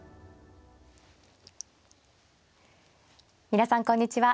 皆さんこんにちは。